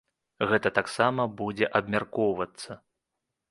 Гэта таксама будзе абмяркоўвацца.